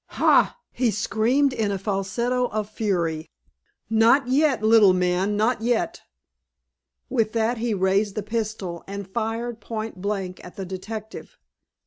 "Ha!" he screamed in a falsetto of fury, "not yet, little man, not yet!" With that he raised the pistol, and fired point blank at the detective.